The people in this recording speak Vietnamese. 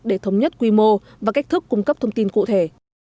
để thống nhất quy mô và cách thức cung cấp thông tin cụ thể